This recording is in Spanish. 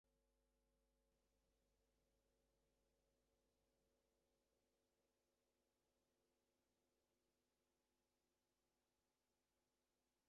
El acceso limitado al agua potable la mantiene totalmente deshabitada.